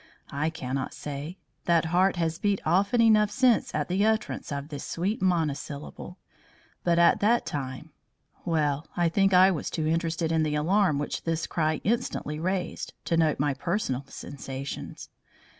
I cannot say. That heart has beat often enough since at the utterance of this sweet monosyllable, but at that time well, I think I was too interested in the alarm which this cry instantly raised, to note my personal sensations.